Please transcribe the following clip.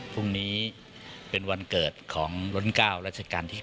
พรุ่งนี้เป็นวันเกิดของล้น๙รัชกาลที่๙